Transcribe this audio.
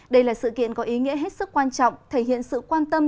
đây là sự kiện có ý nghĩa hết sức quan trọng thể hiện sự quan tâm